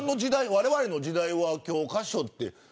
われわれの時代は教科書って。